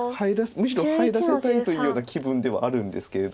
むしろ入らせたいというような気分ではあるんですけれど。